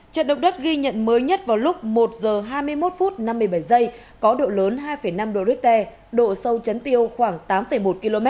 trận động đất ghi nhận mới nhất vào lúc một h hai mươi một phút năm mươi bảy giây có độ lớn hai năm độ richter độ sâu chấn tiêu khoảng tám một km